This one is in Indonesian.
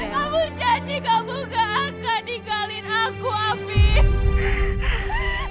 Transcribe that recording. kamu janji kamu gak akan tinggalin aku ambil